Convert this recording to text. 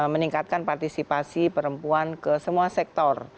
meningkatkan partisipasi perempuan ke semua sektor